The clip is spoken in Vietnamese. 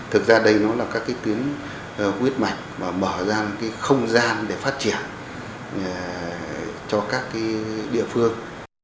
thực ra đây nó là các kiến quyết mạch và mở ra một không gian để phát triển cho các địa phương